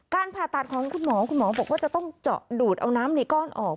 ผ่าตัดของคุณหมอคุณหมอบอกว่าจะต้องเจาะดูดเอาน้ำในก้อนออก